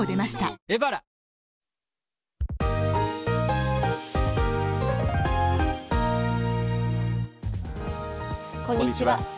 はいこんにちは。